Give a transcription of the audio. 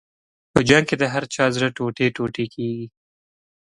په جنګ کې د هر چا زړه ټوټې ټوټې کېږي.